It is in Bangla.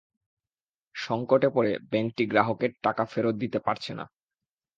সংকটে পড়ে ব্যাংকটি গ্রাহকের টাকা ফেরত দিতে পারছে না।